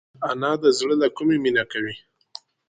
انا د زړه له کومي مینه کوي